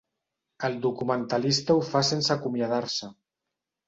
El documentalista ho fa sense acomiadar-se.